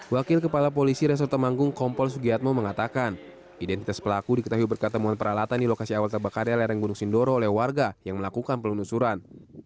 wakil kepala polisi resor temanggung kompol sugiatmo mengatakan identitas pelaku diketahui berkat temuan peralatan di lokasi awal terbakarnya lereng gunung sindoro oleh warga yang melakukan penelusuran